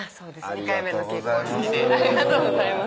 ２回目の結婚式でありがとうございます